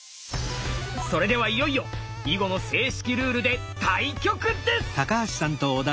それではいよいよ囲碁の正式ルールで対局です！